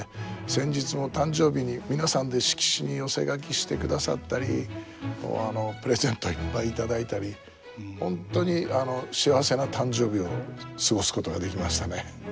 先日も誕生日に皆さんで色紙に寄せ書きしてくださったりプレゼントいっぱい頂いたり本当に幸せな誕生日を過ごすことができましたね。